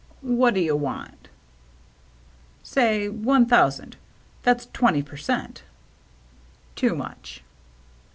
" What do you want ?" "Say one thousand. That's twenty per cent." " Too much."